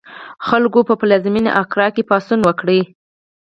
خلکو په پلازمېنه اکرا کې پاڅون وکړ.